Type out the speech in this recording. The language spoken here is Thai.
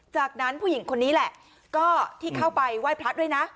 จากนั้นผู้หญิงคนนี้แหละก็ที่เข้าไปไหว้พระด้วยนะ